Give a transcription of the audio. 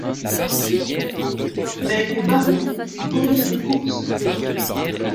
Il a été baron puis comte de Courson.